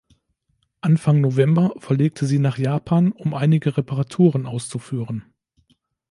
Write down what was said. Anfang November verlegte sie nach Japan, um einige Reparaturen auszuführen.